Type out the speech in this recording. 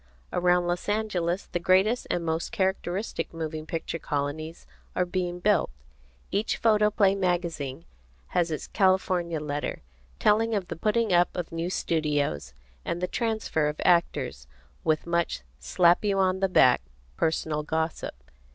Around Los Angeles the greatest and most characteristic moving picture colonies are being built. Each photoplay magazine has its California letter, telling of the putting up of new studios, and the transfer of actors, with much slap you on the back personal gossip.